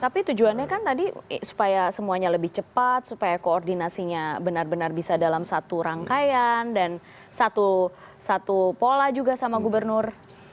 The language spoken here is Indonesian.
tapi tujuannya kan tadi supaya semuanya lebih cepat supaya koordinasinya benar benar bisa dalam satu rangkaian dan satu pola juga sama gubernur